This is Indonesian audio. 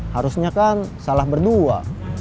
harusnya kan salah berdua